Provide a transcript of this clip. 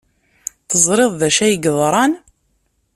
Teẓrid d acu ay yeḍran.